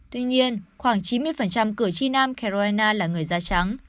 tuy nhiên khoảng chín mươi cử tri nam krona là người da trắng